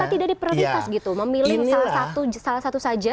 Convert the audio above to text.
nah apa tidak diproditas gitu memilih salah satu saja